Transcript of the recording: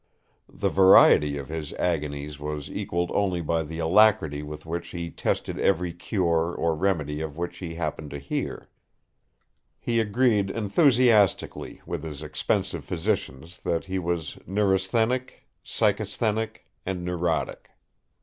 The variety of his agonies was equalled only by the alacrity with which he tested every cure or remedy of which he happened to hear. He agreed enthusiastically with his expensive physicians that he was neurasthenic, psychasthenic and neurotic.